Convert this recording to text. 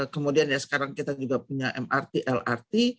kemudian ya sekarang kita juga punya mrt lrt